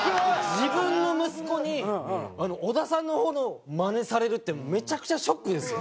自分の息子に小田さんの方のマネされるってめちゃくちゃショックですよ。